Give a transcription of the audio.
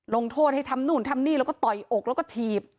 ลงโทษให้ทำนู่นทำนี่แล้วก็ต่อยอกแล้วก็ถีบ